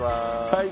はい。